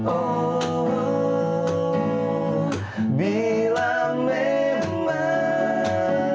oh bila memang